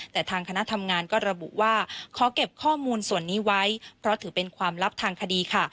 แต่ทางคณะทำงานก็ระบุว่าขอเก็บข้อมูลส่วนนี้ไว้เพราะถือเป็นความลับทางคดีค่ะ